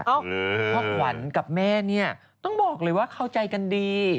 เพราะขวัญกับแม่เนี่ยต้องบอกเลยว่าเข้าใจกันดี